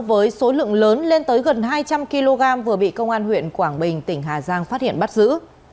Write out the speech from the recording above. với số lượng lớn lên tới gần hai trăm linh kg vừa bị công an huyện quảng bình tỉnh hà giang phát hiện bắt giữ